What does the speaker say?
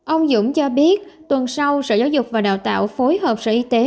ông dũng cho biết tuần sau sở giáo dục và đào tạo phối hợp sở y tế